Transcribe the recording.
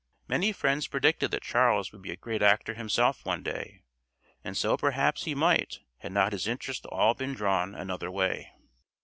Many friends predicted that Charles would be a great actor himself some day, and so perhaps he might had not his interest all been drawn another way.